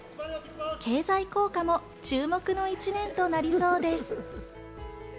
経済効果も注目の１年となりそうです。